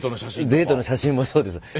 デートの写真もそうです。